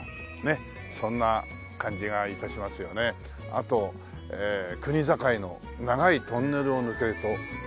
あと「国境の長いトンネルを抜けるとそこは」。